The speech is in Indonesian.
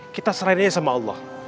kita serahin aja sama allah